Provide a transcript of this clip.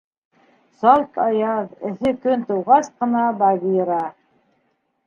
Салт аяҙ, эҫе көн тыуғас ҡына Багира: